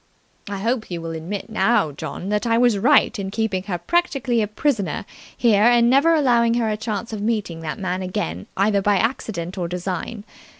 I hope you will admit now, John, that I was right in keeping her practically a prisoner here and never allowing her a chance of meeting the man again either by accident or design.